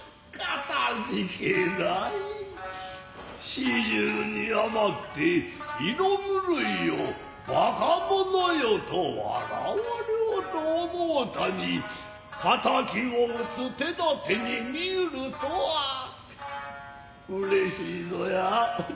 四十に余って色狂いよ馬鹿者よと笑わりょうと思うたに敵を打つ手立てにみゆるとは嬉しいぞや。